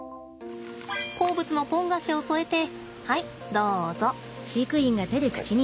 好物のポン菓子を添えてはいどうぞ。